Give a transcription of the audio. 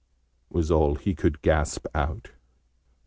was all he could gasp out.